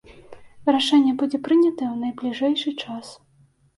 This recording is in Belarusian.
Рашэнне будзе прынятае ў найбліжэйшы час.